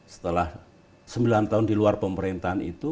setelah sembilan tahun di luar pemerintahan itu